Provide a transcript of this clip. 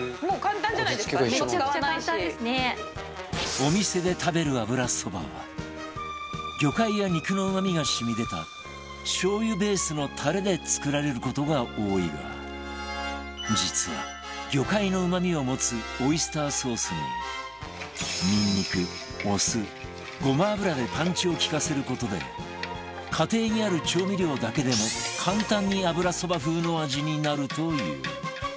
お店で食べる油そばは魚介や肉のうまみが染み出たしょう油ベースのタレで作られる事が多いが実は魚介のうまみを持つオイスターソースにニンニクお酢ごま油でパンチを利かせる事で家庭にある調味料だけでも簡単に油そば風の味になるという